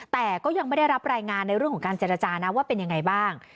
แต่ก็ยังไม่ได้รับรายงานในเรื่องของการเจรจานะว่าเป็นยังไงบ้าง